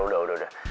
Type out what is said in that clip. udah udah udah